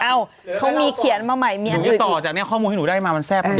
อ้าวเขามีเขียนมาใหม่หนูจะต่อจากเนี้ยข้อมูลให้หนูได้มามันแทรฟ